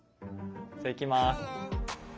じゃいきます。